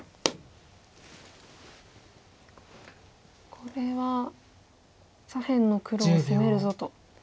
これは左辺の黒を攻めるぞと言ってますか。